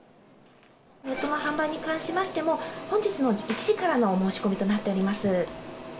ネットの販売に関しましても、本日の１時からの申し込みとなっております。